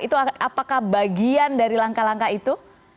itu apakah bagian dari langkah langkah itu